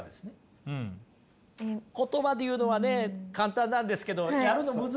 言葉で言うのはね簡単なんですけど先生